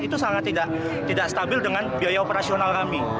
itu sangat tidak stabil dengan biaya operasional kami